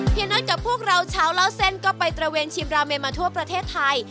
น็อตกับพวกเราชาวเล่าเส้นก็ไปตระเวนชิมราเมมาทั่วประเทศไทย